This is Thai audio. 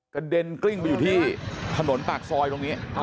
กระเด็นกลิ้งไปอยู่ที่ถนนปากซอยตรงนี้